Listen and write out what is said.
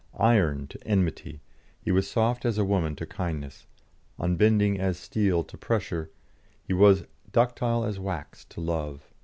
Iron to enmity, he was soft as a woman to kindness; unbending as steel to pressure, he was ductile as wax to love.